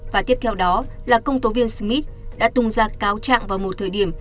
và tiếp theo đó là công tố viên smith đã tung ra cáo trạng vào một thời điểm